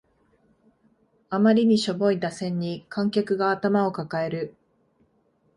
あまりにしょぼい打線に観客が頭を抱える